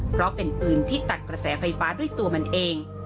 เพราะเป็นปืนที่ตัดกระแสไฟฟ้าด้วยตัวมันเอง